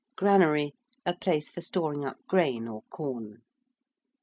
~granary~: a place for storing up grain or corn.